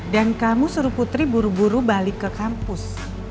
dan kamu suruh putri buru buru balik ke kampus